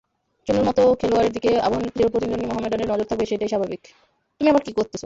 চুন্নুর মতো খেলোয়াড়ের দিকে আবাহনীর চিরপ্রতিদ্বন্দ্বী মোহামেডানের নজর থাকবে, সেটাই স্বাভাবিক।